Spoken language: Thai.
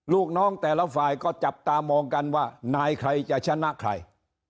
ลูกน้องแต่ละฝ่ายก็จับตามองกันว่านายใครจะชนะใคร